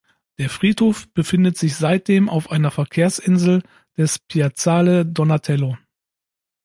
Der Friedhof befindet sich seitdem auf einer Verkehrsinsel des Piazzale Donatello.